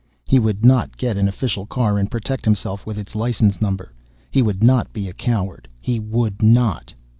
He would not get an official car and protect himself with its license number. He would not be a coward. He would not!